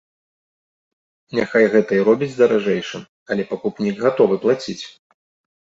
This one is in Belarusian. Няхай гэта і робіць даражэйшым, але пакупнік гатовы плаціць.